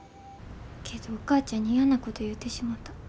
けどお母ちゃんに嫌なこと言うてしもた。